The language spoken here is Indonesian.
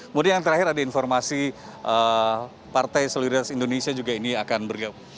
kemudian yang terakhir ada informasi partai seluruh indonesia juga ini akan bergabung